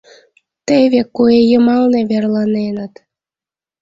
— Теве, куэ йымалне верланеныт.